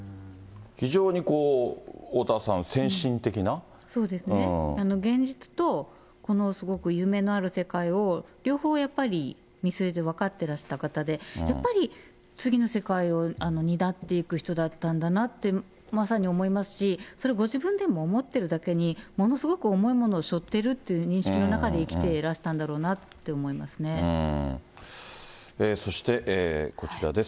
非常にこう、おおたわさん、そうですね、現実と、このすごく夢のある世界を両方やっぱり見据えて、分かってらした方で、やっぱり、次の世界を担っていく人だったんだなって、まさに思いますし、それをご自分でも思っているだけに、ものすごく重いものをしょってるって認識の中で生きていらしたんそして、こちらです。